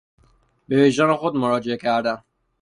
به وجدان خود مراجعه کردن